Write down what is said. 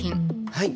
はい。